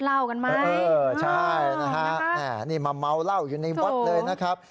เออใช่นะฮะนี่มาเมาเล่าอยู่ในวัดเลยนะครับ